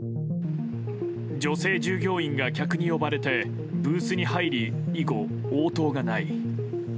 女性従業員が客に呼ばれてブースに入り以後、応答がない。